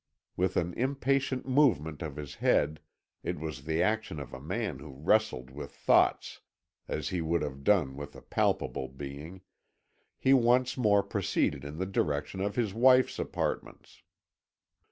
With an impatient movement of his head it was the action of a man who wrestled with thought as he would have done with a palpable being he once more proceeded in the direction of his wife's apartments.